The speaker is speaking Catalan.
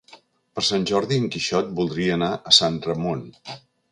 Per Sant Jordi en Quixot voldria anar a Sant Ramon.